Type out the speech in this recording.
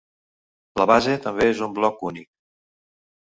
La base també és un bloc únic.